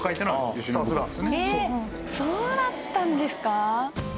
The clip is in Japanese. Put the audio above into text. えっそうだったんですか？